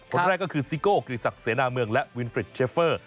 คนแรกก็คือซิโก้กิริสักเสนาเมืองและวินฟริดเชฟเฟอร์